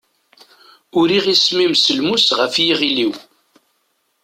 Uriɣ isem-im s lmus ɣef yiɣil-iw.